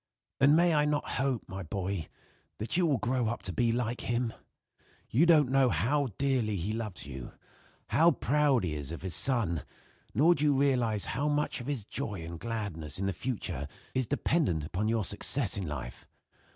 "And may I not hope, my boy, that you will grow up to be like him? You don't know how dearly he loves you; how proud he is of his son; nor do you realize how much of his joy and gladness in the future is dependent upon your success in life.